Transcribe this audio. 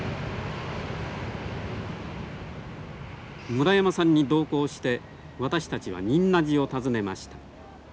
村山さんに同行して私たちは仁和寺を訪ねました。